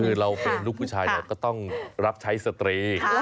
คือเราเป็นลูกผู้ชายเราก็ต้องรับใช้สตรี